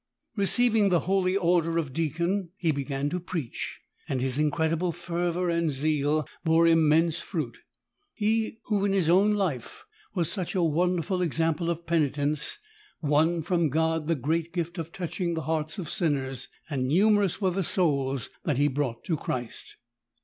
Receiving the Holy Order of deacon he began to preach, and his incredible fervour and zeal bore immense fruit. He who in his own life was such a wonderful ex ample of penitence won from God the great gift of touching the hearts of sinners, and numerous were the souls that he brought to Christ.